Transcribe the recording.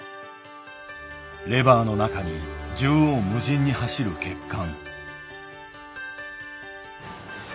レバーの中に縦横無尽に走る血管。